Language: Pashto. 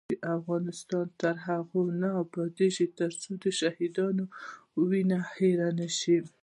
افغانستان تر هغو نه ابادیږي، ترڅو د شهیدانو وینه هیره نشي.